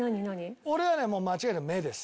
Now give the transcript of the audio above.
俺はねもう間違いなく目です。